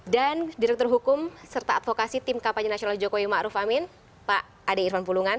dan direktur hukum serta advokasi tim kapal jenderal jokowi pak adi irfan pulungan